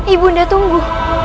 ibu nda tunggu